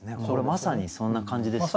まさにそんな感じですね。